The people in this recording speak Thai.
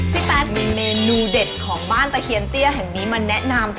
พี่แป้ดมีเมนูเด็ดของบ้านตะเคียนเตี้ยมาแนะนำ